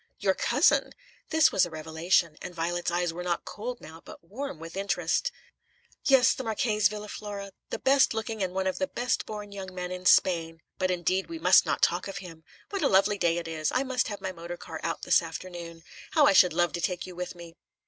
"Your cousin!" This was a revelation, and Violet's eyes were not cold now, but warm with interest. "Yes, the Marchese Villa Fora, the best looking and one of the best born young men in Spain. But indeed we must not talk of him. What a lovely day it is! I must have my motor car out this afternoon. How I should love to take you with me!"